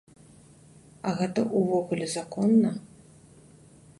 А гэта ўвогуле законна?